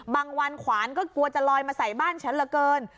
ผ่านไปมาไส่บ้านฉันเหล่าเกิน